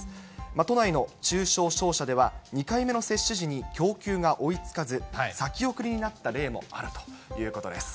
都内の中小商社では、２回目の接種時に供給が追いつかず、先送りになった例もあるということです。